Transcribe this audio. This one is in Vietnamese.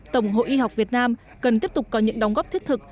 tổng hội y học việt nam cần tiếp tục có những đóng góp thiết thực